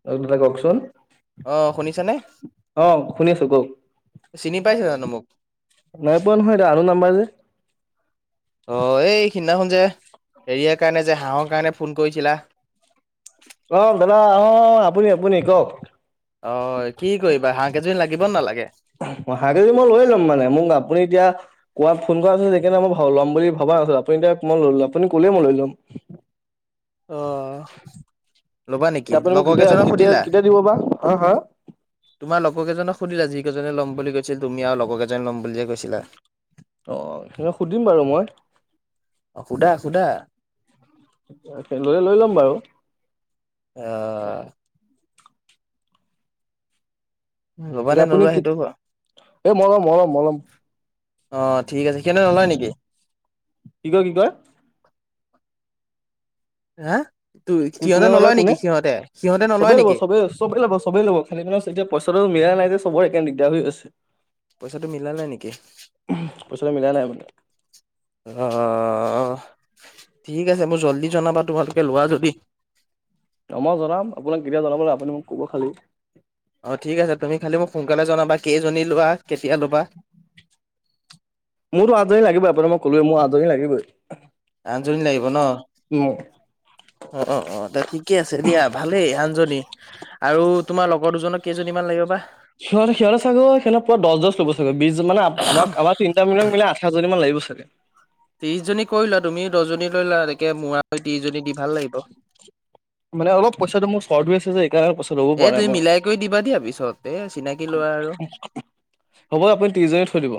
[unintelligible] কওঁকচোন আহ শুনিছানে? শুনি আছো কওক চিনি পাইছে জানো মোক? নাই পোৱা নহয় এইটো আননোৰ নাম্বাৰ যে অ এই সিদিনাখন যে হেৰিয় যে হাঁহৰ কাৰণে ফোন কৰিছিলা অ দাদা আহ আপুনি আপুনি কওক অ কি কৰিবা হাঁহ কেইজনোৰী লাগিব নালাগে? হাহঁ কেইজনি মই লৈ যাম মানে মোক আপুনি এতিয়া কোৱাত ফোন কৰা আছিল যে নে মই ল'ম বুলি ভবা নাছিলো আপু এতি মই লৈ ল আপু কলে মই লৈ ল'ম অ ল'বা নেকি এতিয়া আপুনি মোক লগৰ কেতিয়া কেইজনক কেতিয়া সুধিলা কেতিয়া দিব বা হা হা তোমাৰ লগৰ কেইজনক? সুধিল আজি কেইজনে ল' বুলি কৈছিল তুমি আৰু লগ কেইজন ল'ম বুলি যে কৈছিলা? অহ সেই সুধিম বাৰু মই অ', সুধা সুধা লে লৈ লম বাৰু আহ ল'বা নে এয়া আপুনি নোলোৱা কি সেইটো কোৱা? এ মলম মলম মলম অঁ ঠিক আছে সেইদ নলয় নেকি? কি কয় কি কয়? [unintelligible] হা ত সিহঁতে কোনে নলয় কোনে নেকি সিহঁতে। সিহঁতে নলয় চবেই ল'ব নেকি? চবেই চবে ল'ব চবে ল'ব খানি পি এতিয়া পইচাো মিলা নাই যে চবৰে একে দিগদাৰ হৈ আছে। পইচাটো মিলা নাই নেকি? পইচাটো মিলা নাই মানে অহ ঠিক আছে মোক জল্দি জনাবা তোমালোকে লোৱা যদি? অ মই জনাম আপোনাক কেতিয়া জনাব লাগে আপুনি মোক ক'ব খালি। অ, ঠিক আছে, তুমি খালি মোক সোনকালে জনাবা। কেইজনী লোৱা কেতিয়া লবা মোৰতো [unintelligible] লাগিবই আপোনাক মই ক'লোৱেই, মোৰ [unintelligible] লাগিবই। আঞ্চলিক লাগিব ন। উম। অ অ অ ত ঠিকে আছে দিয়া ভালেই আন যদি আৰু তোমাৰ লগৰ দুজনক কেইজনীমান লাগিব বা? সিহঁত সিহঁতে চাগৈ সিহত পোৱা দছ দছ ল'ব চাগৈ বিছ মানে আমাক আমাৰ তিনিটা মিলাই মিলাই আঠ হাজনী মান লাগিব চাগে। ত্ৰিশজনী কৰি লোৱা তুমি দহজনী লৈলা তকে মোৰ আও ত্ৰিশজনী দি ভাল লাগিব। মানে অলপ পইচাটো মোৰ স্বৰত আছে যে [unintelligible] পাছত ৰ'ব এ পাৰা নাই তুমি মই মিলাই কৰি দিবা দিয়া পিছত এ চিনাকি ল'ৰা আৰু হ'ব আপুনি ত্ৰিছজনী থৈ দিব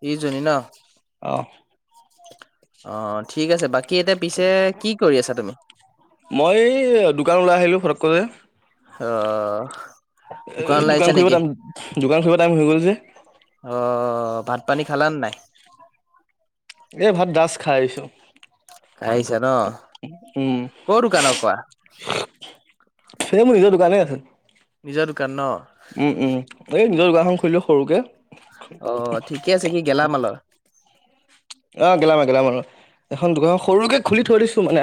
ত্ৰিশজনী ন আহ অ ঠিক আছে বাক মই এই দোকান ওলাই আহিলো ফতক কেনে আহ এই দোকানলে দোকান আহিছে খুলিব নেকি? টাইম দোকান খুলিব টাইম হৈ গ'ল যে অ ভাত পানী খালা নে নাই? এই ভাত জাষ্ট খাই আহিছো খাইছা ন, উম ক দোকান কোৱা? সে মোৰ নিজৰ দোকানে আছে। নিজৰ দোকান ন। উম উম এই নিজৰ দোকান এখন খুলি লওঁ, সৰুকে। অ ঠিকে আছে, কি গেলা মালৰ? অ' গেলা মাল, গেলা মালৰ। এখন দোকান সৰুকে খুলি থৈ দিছো মানে,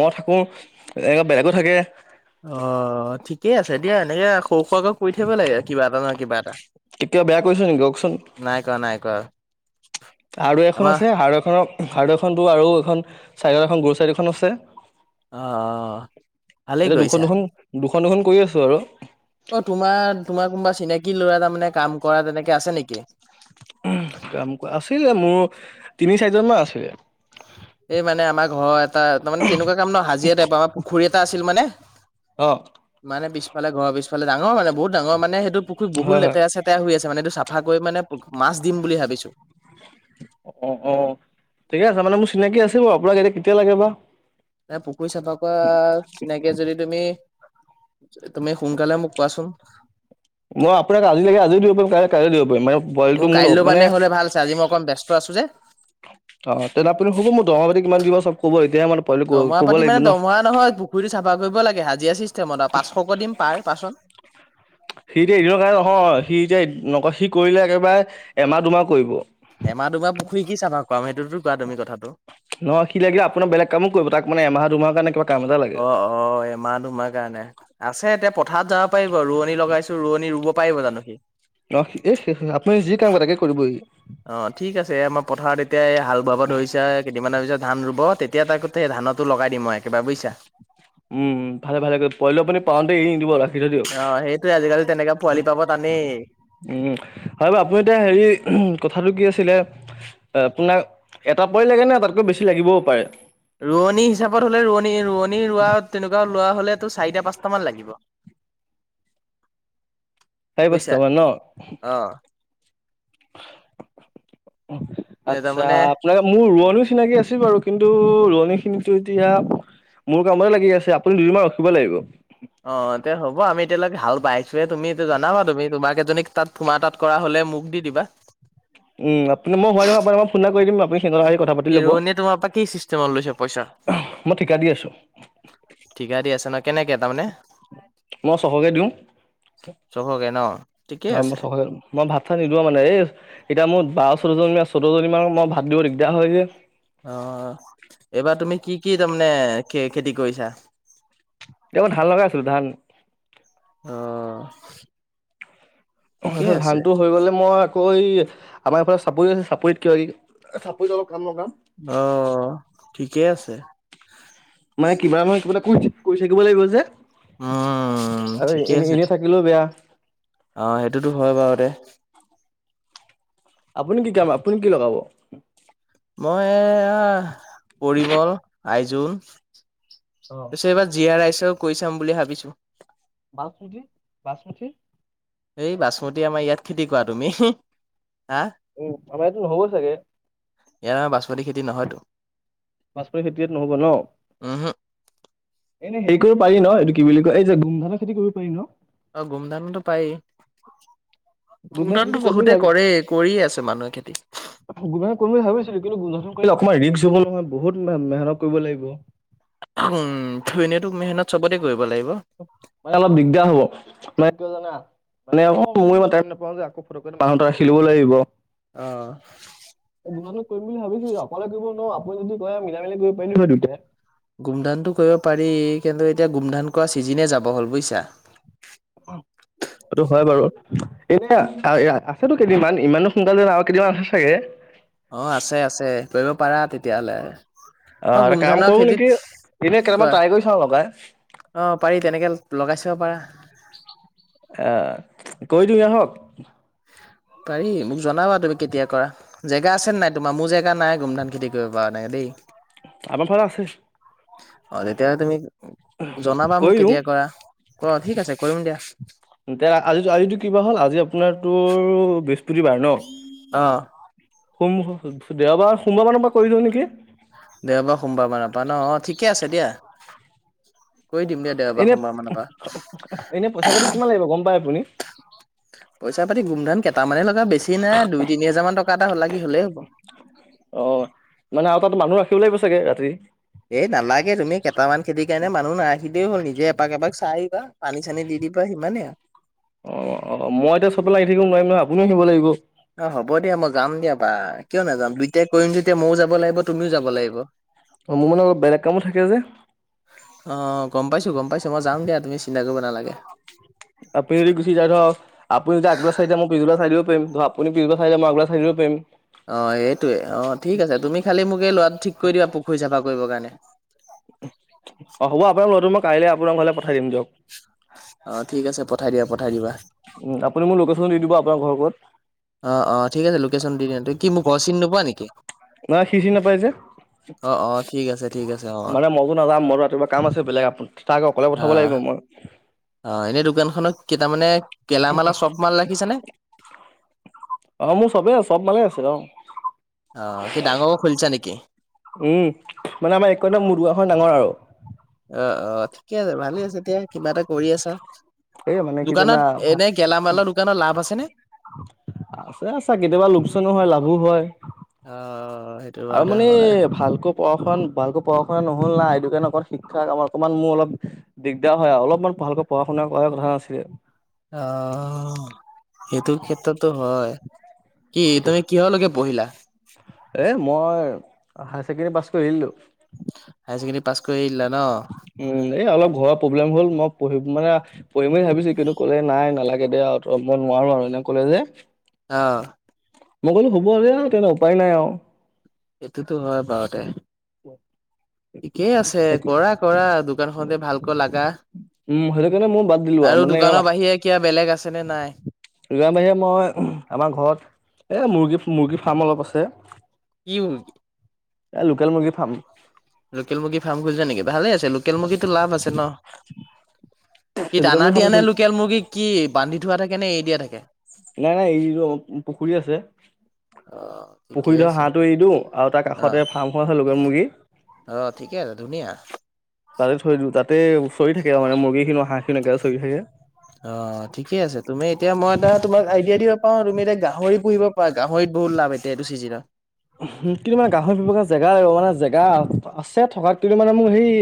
মই থাকো এনেকুৱা বেলেগো থাকে। অ, ঠিকেই আছে দিয়া এনেকে সৰু - সোৰা কৈ কৰি থাকিব লাগে কিবা এটা নহয় কিবা এটা। কেতিয়া বেয়া কৰিছো নেকি কওকচোন নাই কৰা - নাই কৰা। আৰু এখন আমাৰ আছে আৰু এখনক আৰু এখনটো আৰু এখন ছাইডৰ এখন গৰু চাইড এখন আছে। অ' ভালেই এতিয়া কৰিছা। দুখন দুখন -দুখন দুখন কৰি আছো আৰু। অ, তোমাৰ-তোমাৰ কোনোবা চিনাকি ল'ৰা তাৰমানে কাম কৰা তেনেকে আছে নেকি? [unintelligible] আছিলে মোৰ তিনি, চাৰিজন মান আছে। এই মানে আমাৰ ঘৰত তা তাৰমানে তেনেকুৱা কাম ন' হাজিৰা টাইপ আৰু পুখুৰী এটা আছিল অ মানে-মানে পিছ এইফালে ঘৰৰ পিছ ইফালে ডাঙৰ মানে বহুত ডাঙৰ মানে সেইটো পুুখুৰী বহুত হয় হয় লেতেৰা-চেতেৰা হৈ আছে মানে সেইটো চাফা কৰি মানে মাছ দিম বুলি ভাব বিছো। অ', অ', ঠিকে আছে মানে মোৰ চিনাকি আছে বাৰু আপোনাক এতিয়া কেতিয়া লাগে বা? এ পুখুৰী চাফা কৰা চিনাকিয়ে যদি তুমি তুমি সোনকালে মোক কোৱাচোন? মই আপোনাক আজি লাগে আজিও দিব পাৰিম কাইলে-কাইলেও দিব পাৰিম মানে মোৰ বইলটো মূল কাইলৈ হক মানে হ'লে ভাল আছে আজি মই অকণ ব্যস্ত আছো যে। অ, তেনে আপুনি হ'ব মোৰ দহ পাতি কিমান দিব চব কব এতিয়া মানে পাৰিলে কব লাগিব ন? যদি চাফা কৰিব লাগে হাজিৰা চিপ [unintelligible] সি এতিয়া [unintelligible] কাৰনে নহয় সি এতিয়া নকয় সি কৰিলে একেবাৰে এমাহ, দুমাহ কৰিব। এমাহ দুমাহ পুখুৰী কি চাফা কৰাম সেইটোতো কোৱা তুমি কথাটো। নহয় সি লাগিলে আপোনাৰ বেলেগ কামো কৰিব তাক মানে এমাহ -দুমাহ কাৰণে কিবা কাম এটা লাগে অ', অ', এমাহ -দুমাহ কাৰণে আছে এতিয়া পত হঠাত যাব পাৰিব ৰোৱনী লগাইছো ৰোৱনী ৰুব পাৰিব জানো সি? ন শেষ আপুনি যি কাম বা তাকে কৰিবইহি অ, ঠিক আছে আমাৰ পথাৰত এতিয়া এই হাল বহাবত ধৰি হৈছে কেইদিনমানৰ পিছত ধান ৰুবত তেতিয়া তাই কোতে সেই ধানতো লগাই দিম মই একেবাৰে বুইছা। উম, ভালে - ভালে পলে পুনি পওঁতে এ দিব ৰাখিছ দিয়ক। অ', সেইটোৱে আজিকালি তেনেকা পোৱালি পাব টানেই। উম, হয় বাৰু আপুনি এতিয়া হেৰি ক কথাটো কি আছিলে আপোনাক এটা পই লাগে নে তাতকৈ বেছি লাগিবও পাৰে। ৰোৱনী হিচাপত হ'লে ৰোৱনী ৰোৱনী - ৰোৱা তেনেকুৱা লোৱা হলেটো চাৰিটা পাঁচ মান লাগিব। সাই বুজিছা। বস্তাবাৰ ন অ', এ আচ্ছা তাৰমানে আপোনাৰ মোৰ ৰ ৰী চিনাকি আছিল বাৰু কিন্তু ৰোৱনী খিনি এতিয়া মোৰ কামতে লাগি আছে আপুনি দুদিনমান ৰখিব লাগিব। অ, তে হ'ব আমি এতিয়ালৈকোল পাইছোৱয়ে তুমি জনা তুমি তোমাক এজনীক তাত ফোমা তাত কৰা হ'লে মোক দি দিবা। উম, আপুনি মই হয় নহয় আপোনাক মই ফোন এটা কৰি দিম আপুনি সিহতৰ আহি কথা পাতি কি লব ৰোৱনীয়ে তোমাৰ পৰা কি চিষ্টেমত লৈছে পইচা মই ঠিকা দি আছো। ঠিকা দি আছে ন কেনেকে তাৰমানে মই চহকে দিওঁ। চবকে ন ঠিকে অ, মই আছে চ মই ভাত চাত নিদোৱা মানে এ এতিয়া মোৰ বাৰও জন আছো। চতজনী ম মই ভাত দিব দিগদাৰ হয় যে অ, এইবাৰ তুমি কি - কি তাৰমানে খ খেতি কৰিছা? এ মই ধান লগাই আছিলো ধান। অ। ঠিকে তপিছত আছে ধানটো হৈ গলে মই আকৌ এই আমাৰ এইফালে চাপৰি আছে চাপৰিত কিয় চাপৰিত অলপ কাম লগাম অ ঠিকেই আছে। মানে কিবা নহয় কিবা এটা ক কৈ থাকিব লাগিব যে। উম আৰু ঠিকে এনে আছে এনে থাকিলেও বেয়া। অ সেইটোতো হয় বাৰু দে। আপুনি কি কি আপুনি কি লগাব? মই পৰিমল, আইযুল। অ তাৰপিছত এইবাৰ জীয়া ৰাইচও কৈ চাম বুলি ভাবিছো। বাচমুঠি বাচমুঠি। এই বাচমতি আমাৰ ইয়াত খেতি কৰা তুমি? হা উ আমাৰ এইটো নহ'ব চাগে ইয়াত আমাৰ বাচমতি খেতি নহয়তো। বাচমতি খেতি ইয়াত নহব ন উমহো এনে সে কৰিব পাৰি ন এইটো কি বুলি কয় এই যে গোম ধানৰ খেতি কৰিব পাৰি ন। অ গোমধানোতো পাৰি। গোমধান খেতিটো সটানতো কৰিম বুলি বহুতে ভাবি কৰেই কৰিয়ে আছে মানুহে খেতি। গোমধান কৰিম বুলি ভাবিছিলো কিন্তু গোমধান অকণমান ৰিস্ক বহুত মেহনত কৰিব লাগিব। উম এনেতো মেহনত চবতে কৰিব লাগিব মানে অলপ দিগদাৰ হব মানে। কিয় জানা মানে অ মই ইমান টাইম নাপাওঁ যে আকৌ ফটক মানুহত ৰাখি লব লাগিব। অ দুমানক কৰিম বুলি ভাবিছিলো আপালৈ কৰিব নোৱাৰো আপুনি যদি কয় মিলাই মিলি কৰিব পাৰিলি নহয় দুইটাই। গোমধানতটো কৰিব পাৰি কিন্তু এতিয়া গোমধান কৰা চিজিনে যাব হ'ল বুজিছা। সেইটো হয় বাৰু এতিয়া আছে টো কেইদিনমান ইমানো সোনকালে আৰু কেইদিন মান আছে চাগে। অ আছে আছে কৰিব পাৰা তেতিয়াহলে। অ আৰু কাম গোমধানৰ কৰো খেতিত নেকি এনে কোৱা কেইটামান ট্ৰাই কৰি চাও লগাই। অ পাৰি তেনেকে লগাই চাব পাৰা। আহ কৈ দিওঁ আহক। অ। পাৰি মোক জনাবা তুমি কেতিয়া কৰা জেগা আছে ন নাই তোমাৰ মোৰ জেগা নাই গোমধান খেতি কৰিব কাৰনে দেই। আমাৰ ফালে আছে অ তেতিয়াহলে তুমি জনাবা মোক কৰি দিওঁ কেতিয়া কৰা অ ঠিক আছে কৰিম দিয়া। তে আজি আজো কিবা হ'ল আজি আপোনাৰ তো বৃহস্পতিবাৰ ন। অ সোম দেওবাৰ সোমবাৰ মানৰ পৰা কৰি দিওঁ নেকি। দেওবাৰ সোমবাৰ মানৰ পৰা ন অ ঠিকে আছে দিয়া। কৰি দিম দে দেওবাৰ এনে সোমবাৰ মানৰ এনে পইচা পৰা। পাতি কিমান লাগিব গম পাই আপুনি পইচা পাতি গোমধাম কেইটামানে ল কিবা বেছি নাই দুই তিনি হাজাৰ মান টকা এটা হ'লা কি হলেই হব। অ মানে আৰু তাত মানুহ ৰাখিব লাগিব চাগে ৰাতি। এ নালাগে তুমি কেইটামান খেতিৰ কাৰনে মা মানুহ নাৰাখি দ হ'ল নিজে এপাক এপাক চাই আহিবা পানী চানী দি দিবা সিমানে আৰু। অ অ মই এতিয়া চবে লাগি থাকিব নোৱৰিম নহয় আপুনিও আহিব লাগিব। অ হ'ব দিয়া মই যাম দিয়া বা কিয় নাযাম দুইটাই কৰিম যেতিয়া ময়ও যাব লাগিব তুমিও যাব লাগিব। অ মোৰ মানে অলপ বেলেগ কামো থাকে যে। অ গম পাইছো গম পাইছো মই যাম দিয়া তুমি চিন্তা কৰিব নালাগে আপুনি যদি গুছি যায় দিয়ক আপুনি যদি আগবেলা চাই দিয়ে মই পিছবেলা চাই দিব পাৰিম। আপুনি পিছবেলা চাই দিলে মই আগবেলা চাই দিব পাৰিম। অ সেইটোৱে অ ঠিক আছে তুমি খালি মোক এই লৰাটো ঠিক কৰি দিবা পুখুৰী চাফা কৰিবৰ কাৰণে। অ' হ'ব আপোনাক ঘটো মই কাইলৈ আপোনাক ঘৰলে পঠাই দিম দিয়ক। অ ঠিক আছে পঠাই দিয়া আগত উম, আপুনি মোক লোকেশচনটো দি দিব আপোনাৰ ঘৰ কত? অ', অ', ঠিক আছে লোকেশ্যন দি দিয়া কি মোৰ ঘৰ চিনি নোপোৱা নেকি মানে সি চিনি নাপায় যে অ-অ ঠিক আছে। ঠিক আছে অ', মানে মইতো নাযাম মইো ৰাতিপুৱা কাম আছে বেলেগ আ তাকে অকলে পঠাব অ', লাগিব মই। অ' এনে দোকানখনত কেই তাৰ মানে কেলামাল আৰু চব মাল ৰাখিছে নে। অ' মোৰ চবেই আছে চব মানে আছে অ, অ কি ডাঙৰক খুলিছা নেকি? উম মানে আমাৰ একোদম মদগাখন ডাঙৰ আৰু অ-অ ঠিকে আছে ভালে আছে এতিয়া কিবা এটা কৰি আছা এই মানে কি জানা দোকানত এনে গেলামালৰ দোকানত লাভ আছেনে। আছে আছো কেতিয়াবা লোোকচনো হয় লাভো হয়। অ', সেইটো আৰু বাৰুতে মানে হয় ভালকৈ পঢ়া শুনা ভালকৈ পঢ়া শুনা নহ'ল। নাই সটো কাৰ শিক্ষা আ অকমান মোৰ অলপ দিগদাৰ হয় আৰু অলপমান ভালকৈ পঢ়া শুনা কৰা কথা নাছিলে। অ' সেইটো ক্ষেত্ৰতো হয়। কি সেইটো তুমি কিহলৈকে পঢ়িলা মই হায়াৰ ছেকেণ্ডৰী পাছ কৰিলো। হায়াইছেে পা কৰি আহিল আৰু উম, এ অলপ ঘৰৰ প্ৰব্লেম হ'ল মই পঢ়িম মানে পঢ়িম বুলি ভাবিছো কিন্তু ক'লে নাই নালাগে। তে দ ত মই নোৱাৰো আৰু এনে ক'লে যে অঁহ মই কলো হুব আৰু তেনে উপায় নাই আৰু এইটোতো হয় বাৰতে হয়। ঠিকেই আছে কৰা কৰা দোকান খতে ভালকৈ লা সেইটোকাৰণে মই বাদ দিলো আৰু মানে এইবাৰ মাথা বেলেগ আছে নে নাই? ৰাৰ বাহিৰে মই আমাৰ ঘৰত এ মুৰ্গী মুৰ্গী ফাৰ্ম অলপ আছে। কি এ লোকেল মুৰ্গী ফাৰ্ম। লোকেল মুৰ্গী ফাৰ্ম খুলিছে নেকি? ভালে লোকেল মুৰ্গীতো লাভ আছে ন। কি লোকেল দানা মুৰ্গী ফাৰ্ম দিয়া নে খুলি লোকেল মুৰ্গীক কি বান্ধি থোৱা থাকে নে এ দিয়া থাকে। নাই নাই এই পুখুৰী আছে। অ' পুখুৰী ঠিকেই ধৰ আছে। হাঁহটো এৰি দিওঁ আৰু তাৰ অ' কাষতে ফাৰ্ম হোৱা লগৰ মুৰ্গী। অ' ঠিকে আছে ধুনীয়া। তাতে থৈ দিওঁ তাতে চৰি থাকে আৰু মানে মুৰ্গীখিনি হাঁহখিনিও একোৰে চৰি থাকে। অ ঠিকে আছে তুমি এতিয়া মই এটা তুমাক আইডিয়া দিব পাৰ তুমি এতিয়া গাহৰি পুহিব পা গ। হয়ত বহুত লাভ এতিয়া এইটো চিজিনত। কিন্তু মানে গাহৰি ব্যৱসৰ জেগাই মানে জেগা আছে থকাত কিন্তু মানে মোক হেই।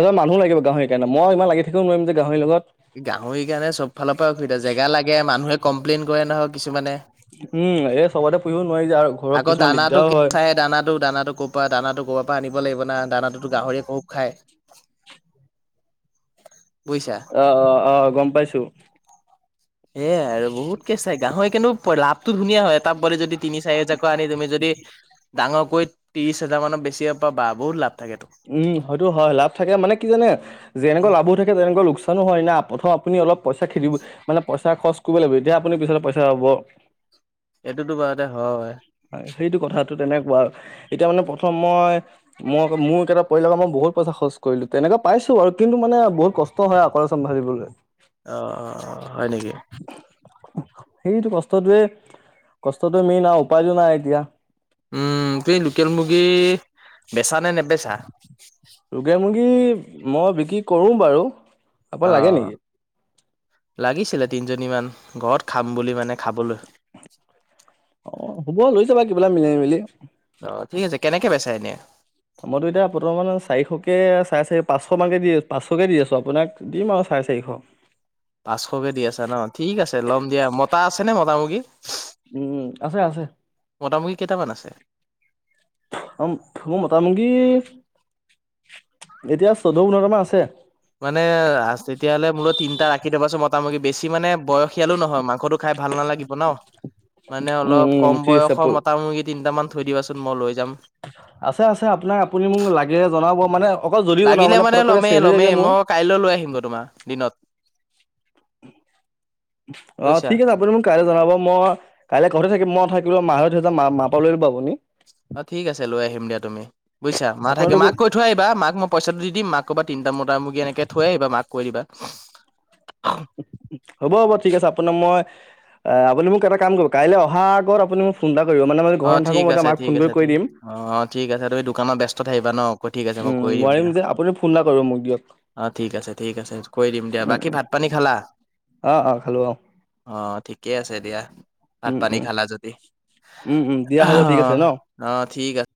এজন মানুহ লাগিব গাহৰিৰ কাৰণ মই ইমান লাগি থাকওোৱাৰম যে গাহৰি লগত। গাহৰিৰ কাৰণে চব ফালৰ পৰা অসুবিধা জেগা লাগে মানুহে কমপ্লেইন কৰে নহওক কিছুমানে। উম এই চবতে পুহিব নোৱাৰি যে আৰু ঘৰত আকৌ কিছুমান দানাটো দিগদাৰো কি হয় চাই দানাটো দানাটো ক'ৰ পৰাা দানাটো। গৰ পৰা আনিব লাগিব না দানাটোতো গাহৰিয়ে কব খায়। বুযিছা অ অ' গম পাইছো। এ আৰু বহুতকে চাই গাহৰি কিন্তু লাভটো ধুনীয়া হয় এ তাপ ব যদি। তিনি চাৰি হাজজাৰকৈ আনি তুমি যদি ডাঙৰকৈ ত্ৰিশ হাজাৰ মানত বেছি পৰা বা বহুত লাভ। থাকেতো। উম হয়তো হয় লাভ থাকে মানে কি জানে যেনেকুৱা লাভো থাকে তেনেকুৱা লোকচানো হয় ন প্ৰথম আপুনি। অলপ পইচা খেদিব মানে পইচা খৰচ কৰিব লাগিব এতিয়া আপুনি পিছ পইচা হব। এইটোতো বাৰতে হয়। সেইটো কথাটো তেনেকুৱা আৰু এতিয়া মানে প্ৰথম মই মই মোৰ। কেইটা পৰিল মই বহুত পইচা খচলো তেনেকুৱ পাইছো আৰু কিন্তু মানে বহুত কষ্ট হয় আপাআসাম ভাবিবলে। অ', - অ', - অ', হয় নেকি। সেইটো কষ্টটোৱে কষ্টটো মেইন আৰু উপায়ো নাই এতিয়া। উম তুমি লোকেল মুৰ্গী বেচা নে নেবেচা? লোকেল মুৰ্গী মই বিক্ৰী কৰো বাৰু আপোনাক লাগে অ', নেকি লাগিছিলে তিনিজনী মান। ঘৰত খাম বুলি মানে খাবলৈ অ', হ'ব লৈ যাবা কিবা এটা মিলাই মিলি। অ', ঠিক আছে কেনেকে বেচাই এনে? মইতো এতিয়া বৰ্তমান চাৰিশকে চাৰে চাৰি পাঁচশ মানকে দি আছো পাচশ কে দি আছো আপোনাক দিম আৰু চাৰে চাৰিশ পাঁচশকে দি আছা ন ঠিক আছে ল'ম দিয়া মতা আছে নে মতা মূৰ্গী? উম আছে-আছে। মতা মূৰ্গী কেইটামান আছে? [unintelligible] মোৰ মতা মূৰ্গী এতিয়া চৈধ্য পোন্ধৰটা মান আছে। মানে তেতিয়াহ'লে মোলো তিনিটা ৰাখি থবাচোন মতা মূৰ্গী বেছি মানে বয়সীয়ালো নহয় মাংসটো খাই ভাল নালাগিব ন মানে অলপ উম কম ঠিক বয়সৰ মতা মূৰ্গী তিনিটা মান থৈ দিবাচোন মই লৈ যাম আছে-আছে আপোনাৰ আপুনি মোক লাগিলে জনাব মানে অকল যদি জনাব লাগিলে মানে ফটককৈ চেল হৈ যায় যে ল'মেই-ল'মেই মোৰ মই কাইলৈ লৈ আহিমগৈ তোমাৰ দিনত অ', বুজিছা ঠিক আছে আপুনি মোক কাইলৈ জনাব মই কাইলৈ ঘৰতে থাকিম মই নাথাকিলেও মায়ে [unintelligible] অ', ঠিক আছে লৈ আহিম দিয়া তুমি বুজিছা মা আপোনাৰ থাকে মাক কৈ থৈ আহিবা মাক মই পইচাটো দি দিম মাক ক'বা তিনিটা মতা মুৰ্গী এনেকে থৈ আহিবা মাক কৈ দিবা। হ'ব-হ'ব ঠিক আছে আপোনাৰ মই আপুনি মোক এটা কাম কৰিব কাইলৈ অহাৰ আগত আপুনি মোক ফোন এটা কৰিব মানে মই ঘৰত অ', নাথাকো ঠিক মই এতিয়া আছে মাক ঠিক ফোন কৰি আছে কৈ ঠিক দিম অ', - অ', ঠিক আছে তুমি দোকানত ব্যস্ত থাকিবা ন। ক- ঠিক আছে মই উম কৰি দিম নোৱাৰিম দিয়া যে আপুনি ফোন এটা কৰিব মোক দিয়ক। অ', ঠিক আছে ঠিক আছে কৰি দিম দিয়া, উম বাকী ভাত পানী খালা? অ অ খালো অ অ', ঠিকেই আছে দিয়া। ভাত উম পানী উম খালা যদি উম উম দিয়া হ'ব ঠিক আছে অ', ন - অ', ঠিক আছে।